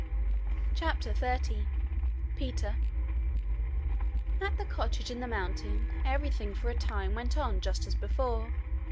CHAPTER 30 Peter At the cottage in the mountain everything for a time went on just as before.